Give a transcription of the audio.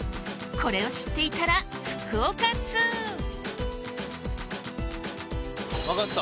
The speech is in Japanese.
これを知っていたら福岡通分かった。